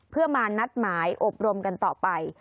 เพื่อมานัดหมายอบรมกันต่อไป